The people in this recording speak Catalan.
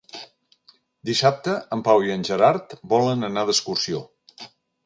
Dissabte en Pau i en Gerard volen anar d'excursió.